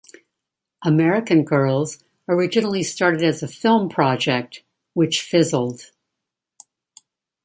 American Girls originally started as a film project, which fizzled.